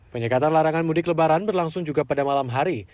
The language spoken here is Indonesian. penyekatan larangan mudik lebaran berlangsung juga pada malam hari